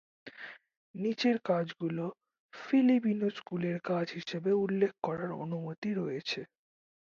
নীচের কাজগুলো ফিলিপিনো স্কুলের কাজ হিসেবে উল্লেখ করার অনুমতি রয়েছে।